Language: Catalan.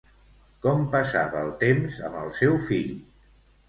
Com passava el temps amb el seu fill?